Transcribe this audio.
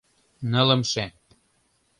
Нылымше...